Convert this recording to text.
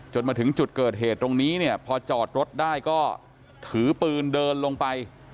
มาถึงจุดเกิดเหตุตรงนี้เนี่ยพอจอดรถได้ก็ถือปืนเดินลงไป